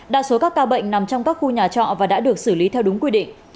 đa số các ca bệnh nằm trong các khu nhà trọ và đã được xử lý theo đúng quy định